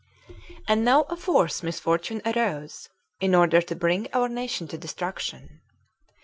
2. And now a fourth misfortune arose, in order to bring our nation to destruction.